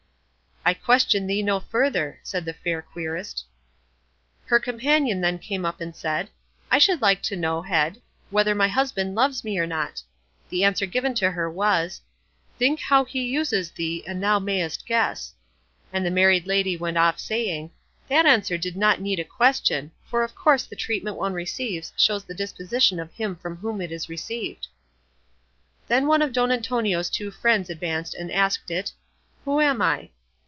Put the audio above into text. "I question thee no further," said the fair querist. Her companion then came up and said, "I should like to know, Head, whether my husband loves me or not;" the answer given to her was, "Think how he uses thee, and thou mayest guess;" and the married lady went off saying, "That answer did not need a question; for of course the treatment one receives shows the disposition of him from whom it is received." Then one of Don Antonio's two friends advanced and asked it, "Who am I?"